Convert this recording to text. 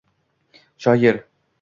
Shoir